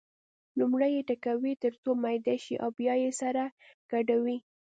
لومړی یې ټکوي تر څو میده شي او بیا یې سره ګډوي.